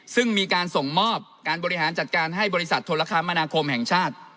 ซึ่งมีการส่งมอบการบริหารจัดการให้บริษัทโทรคมนาคมแห่งชาติ